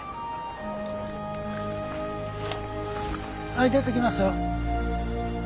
はい出てきますよ。